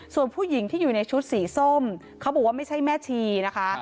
ส่วนผู้หญิงที่อยู่ในชุดสีส้มเขาบอกว่าไม่ใช่แม่ชีนะคะ